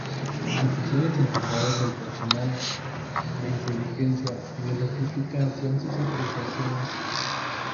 Los oficiales encargados del personal, de inteligencia y de logística hacían sus apreciaciones.